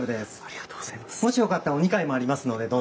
もしよかったらお二階もありますのでどうぞ。